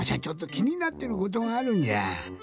ちょっときになってることがあるんじゃ。